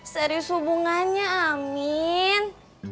serius hubungannya amin